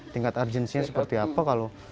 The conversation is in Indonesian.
tingkat urgensinya seperti apa kalau